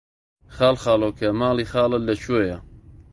خاڵخاڵۆکە، ماڵی خاڵت لەکوێیە؟!